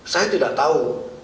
saya tidak tahu